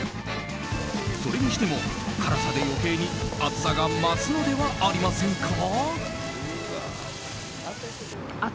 それにしても、辛さで余計に暑さが増すのではありませんか？